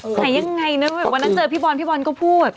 ไหนยังไงนะวันนั้นเจอพี่บอลพี่บอลก็พูด